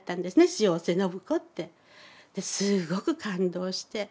塩瀬信子って。ですごく感動して。